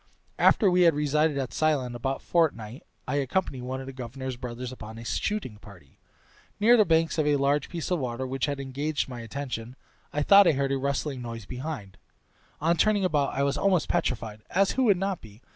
After we had resided at Ceylon about a fortnight I accompanied one of the governor's brothers upon a shooting party. Near the banks of a large piece of water, which had engaged my attention, I thought I heard a rustling noise behind; on turning about I was almost petrified (as who would not be?)